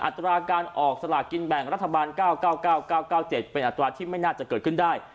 ตราการออกสลากินแบ่งรัฐบาล๙๙๙๙๙๙๗เป็นอัตราที่ไม่น่าจะเกิดขึ้นได้